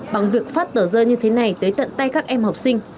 bằng việc phát tờ rơi như thế này tới tận tay các em học sinh